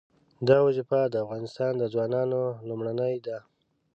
دا وظیفه د افغانستان د ځوانانو لومړنۍ ده.